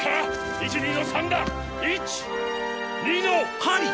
１２の３だ１２のハリー！